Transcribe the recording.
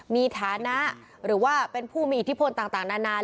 มีฐานะหรือว่าเป็นผู้มีอิทธิพลต่างนาน